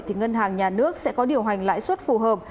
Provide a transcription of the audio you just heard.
thì ngân hàng nhà nước sẽ có điều hành lãi suất phù hợp